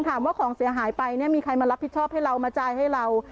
ของเสียหายไปเนี่ยมีใครมารับผิดชอบให้เรามาจ่ายให้เรา